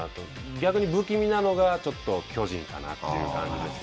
逆に不気味なのが、ちょっと巨人かなという感じですね。